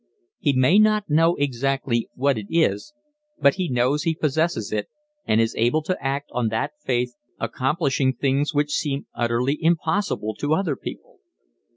He may not know exactly what it is, but he knows he possesses it and is able to act on that faith, accomplishing things which seem utterly impossible to other people.